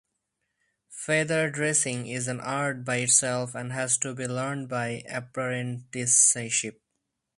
Feather dressing is an art by itself and has to be learned by apprenticeship.